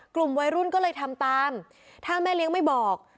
กลุ่มวัยรุ่นก็เลยทำตามถ้าแม่เลี้ยงไม่บอก